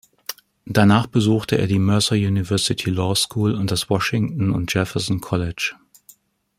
Danach besuchte er die Mercer University Law School und das "Washington and Jefferson College".